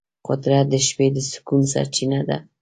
قدرت د شپې د سکون سرچینه ده.